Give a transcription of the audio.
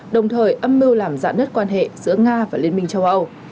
đồng thời âm mưu làm dạ nứt quan hệ giữa nga và liên minh châu âu